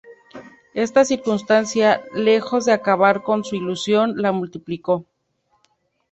Esta circunstancia, lejos de acabar con su ilusión, la multiplicó.